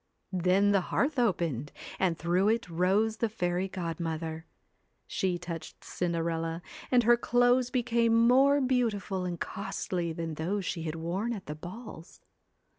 Then the hearth opened, and through it rose the fairy godmother. She touched Cinderella, and her clothes became more beautiful and costly than those she had worn at the balls.